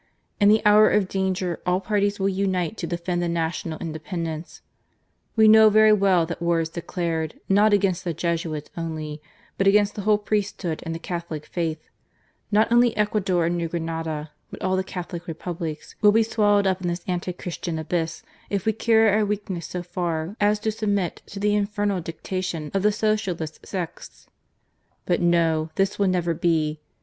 In the hour of danger all parties will unite to defend the national independence. We know very well that war is declared, not against the Jesuits only, but against THE DEFENCE OF THE JESUITS. 43 the whole priesthood and the Catholic faith. Not only Ecuador and New Grenada but all the Catholic Republics will be swallowed up in this anti Christian abyss if we carry our weakness so far as to submit to the infernal dictation of the Socialist sects. But no, this will never be